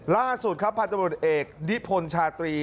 ล่าสุดครับพันธบทเอกนิพนธ์ชาตรี